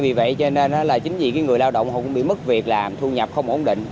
vì vậy cho nên là chính vì cái người lao động họ cũng bị mất việc làm thu nhập không ổn định